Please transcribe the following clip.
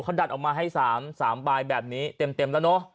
เขาดันออกมาให้๓ใบแบบนี้เต็มแล้วเนอะ